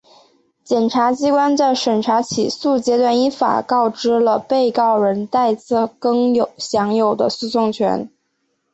检察机关在审查起诉阶段依法告知了被告人戴自更享有的诉讼权利